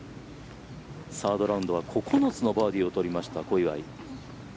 サードラウンドは９つのバーディーを取りました小祝。